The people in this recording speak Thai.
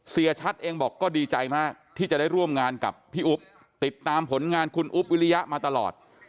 เสียชัดเองบอกก็ดีใจมากที่จะได้ร่วมงานกับพี่อุ๊บติดตามผลงานคุณอุ๊บวิริยะมาตลอด